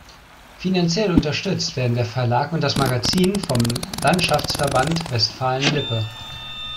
Finanziell unterstützt werden der Verlag und das Magazin vom Landschaftsverband Westfalen-Lippe.